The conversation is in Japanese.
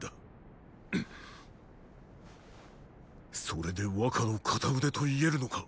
それで若の片腕と言えるのか。